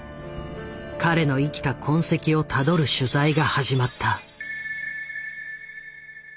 彼の生きた痕跡をたどる取材が始まった。